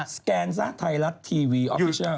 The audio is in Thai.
สแกนซะไทรรัสทีวีออฟิชัล